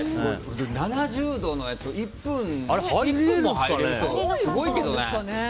７０度のやつ１分も入れたらすごいけどね。